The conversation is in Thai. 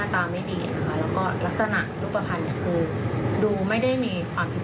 แต่ไม่อยากให้เขาไปปาก๔๕๒